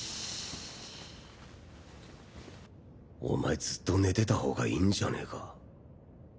お前ずっと寝てた方がいいんじゃねえか。